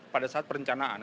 pada saat perencanaan